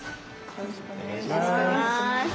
よろしくお願いします。